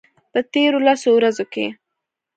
په تیرو لسو ورځو کې